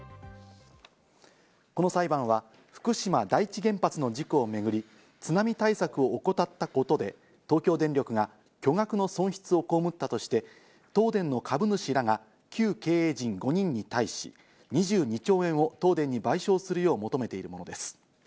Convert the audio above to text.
この裁判は福島第一原発の事故をめぐり津波対策を怠ったことで東京電力は巨額の損失を被ったとして、東電の株主らが旧経営陣５人に対し、２２兆円を東電に賠償するよう求めているものです。